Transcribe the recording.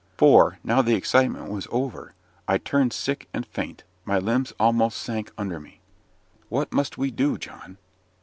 For, now the excitement was over, I turned sick and faint; my limbs almost sank under me. "What must we do, John?"